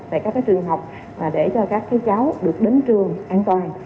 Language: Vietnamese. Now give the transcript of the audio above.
tại các trường học để cho các cháu được đến trường an toàn